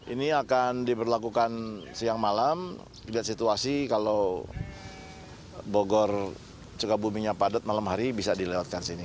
ini akan diberlakukan siang malam lihat situasi kalau bogor sukabuminya padat malam hari bisa dilewatkan sini